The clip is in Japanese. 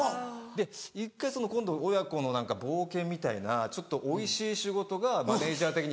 で１回今度親子の冒険みたいなちょっとおいしい仕事がマネジャー的に。